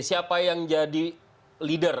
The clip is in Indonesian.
siapa yang jadi leader